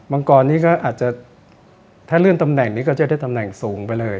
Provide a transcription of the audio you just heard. มังกรนี้ก็อาจจะถ้าเลื่อนตำแหน่งนี้ก็จะได้ตำแหน่งสูงไปเลย